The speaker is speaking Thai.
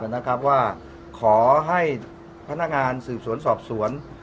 นะครับว่าขอให้พนักงานสืบสวนสอบสวน